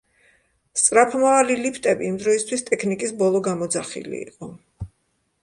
სწრაფმავალი ლიფტები იმდროისთვის ტექნიკის ბოლო გამოძახილი იყო.